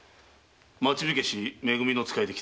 町火消し「め組」の使いで来た。